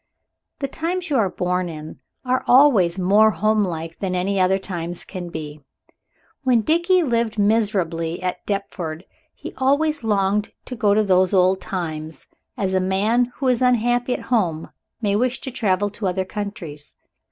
The times you are born in are always more home like than any other times can be. When Dickie lived miserably at Deptford he always longed to go to those old times, as a man who is unhappy at home may wish to travel to other countries.